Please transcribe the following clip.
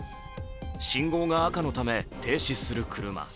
信号が赤のため停止する車。